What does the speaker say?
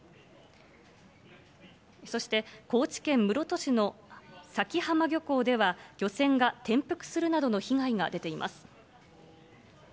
そして高知県室戸市の佐喜浜漁港では、漁船が転覆するなどの被害が出ています。